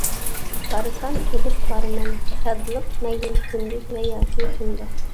بارسام ئېلىپ بارىمەن شادلىق، مەيلى كۈندۈز ۋە ياكى تۈندە.